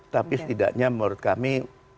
tapi setidaknya menurut kami